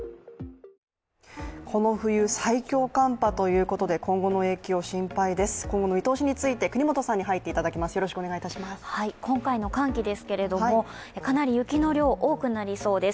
この冬最強寒波ということで、今後の影響が心配です。